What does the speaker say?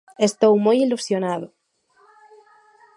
Estou moi ilusionado.